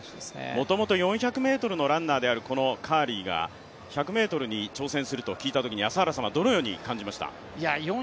もともと４００ｍのランナーである、このカーリーが１００ｍに挑戦すると聞いたとき、どのように感じましたか？